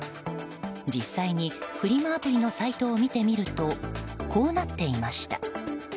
実際にフリマアプリのサイトを見てみるとこうなっていました。